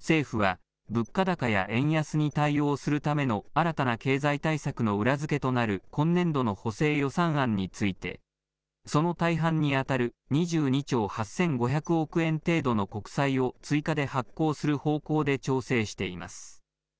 政府は物価高や円安に対応するための新たな経済対策の裏付けとなる今年度の補正予算案について、その大半に当たる２２兆８５００億円程度の国債を追加で発行する方向で調整しています。